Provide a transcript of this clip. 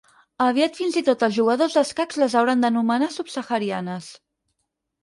Aviat fins i tot els jugadors d'escacs les hauran d'anomenar subsaharianes.